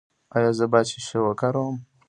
ایا زه باید شیشه وکاروم؟